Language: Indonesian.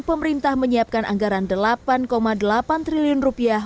pemerintah menyiapkan anggaran rp delapan delapan juta